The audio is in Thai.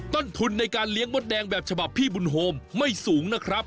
ต้นทุนในการเลี้ยงมดแดงแบบฉบับพี่บุญโฮมไม่สูงนะครับ